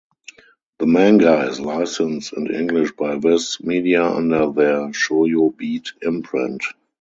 The manga is licensed in English by Viz Media under their Shojo Beat imprint.